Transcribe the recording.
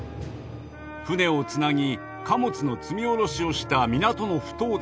船をつなぎ貨物の積み降ろしをした「港のふ頭」です。